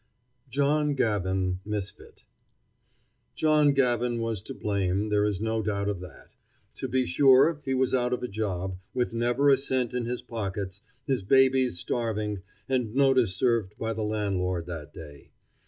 JOHN GAVIN, MISFIT John Gavin was to blame there is no doubt of that. To be sure, he was out of a job, with never a cent in his pockets, his babies starving, and notice served by the landlord that day.